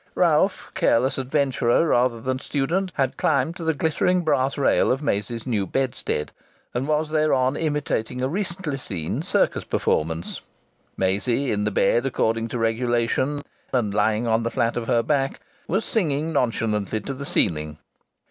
Ralph, careless adventurer rather than student, had climbed to the glittering brass rail of Maisie's new bedstead and was thereon imitating a recently seen circus performance. Maisie, in the bed according to regulation, and lying on the flat of her back, was singing nonchalantly to the ceiling.